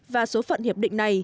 và số phận hiệp định này